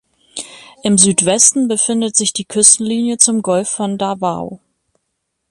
Im Südwesten befindet sich die Küstenlinie zum Golf von Davao.